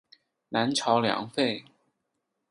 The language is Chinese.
南朝梁废。